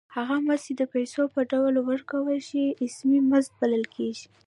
هغه مزد چې د پیسو په ډول ورکړل شي اسمي مزد بلل کېږي